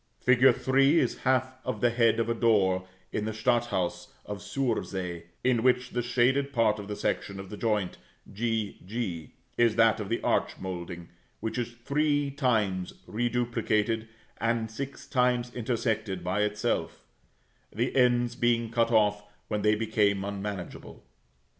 Fig. 3 is half of the head of a door in the Stadthaus of Sursee, in which the shaded part of the section of the joint g g, is that of the arch moulding, which is three times reduplicated, and six times intersected by itself, the ends being cut off when they become unmanageable.